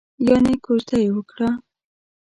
یانې کوژده یې وکړه؟